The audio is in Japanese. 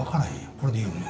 これでいいんよね？